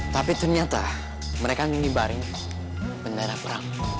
tapi ternyata mereka ngibarin bendera perang